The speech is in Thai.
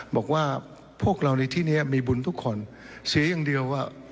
บอกว่าพวกเราในที่นี้มีบุญทุกคนเสียอย่างเดียวว่า